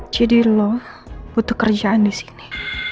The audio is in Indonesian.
jadi lo butuh kerjaan di sini